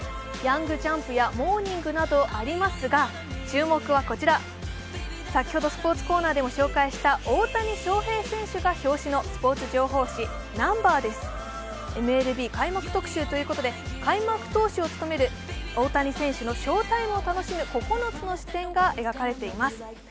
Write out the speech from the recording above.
「ヤングジャンプ」や「モーニング」などありますが注目はこちら、先ほどスポーツコーナーでも紹介した大谷翔平選手が表紙のスポーツ情報誌「Ｎｕｍｂｅｒ」です。ＭＬＢ開幕特集ということで開幕投手を務める大谷選手の９つの視点が描かれています。